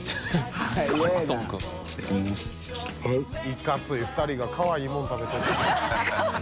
いかつい２人がかわいいもの食べてる。